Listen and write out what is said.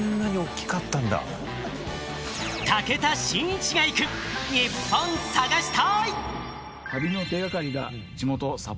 武田真一が行く、ニッポン探し隊！